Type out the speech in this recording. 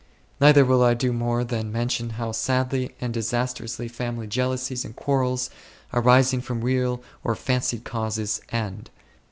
Neither will I do more than mention how sadly and disas trously family jealousies and quarrels, arising from real or fancied causes, end.